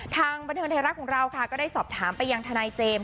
ทางบันเทิงไทยรัฐของเราค่ะก็ได้สอบถามไปยังทนายเจมส์